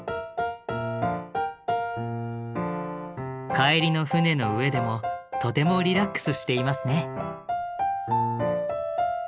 帰りの船の上でもとてもリラックスしていますね。